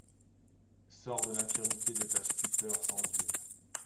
Sors de l’infirmité de ta stupeur sans yeux.